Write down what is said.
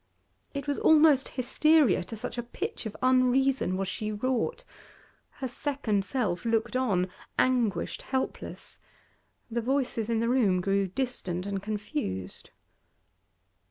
It was almost hysteria, to such a pitch of unreason was she wrought. Her second self looked on, anguished, helpless. The voices in the room grew distant and confused.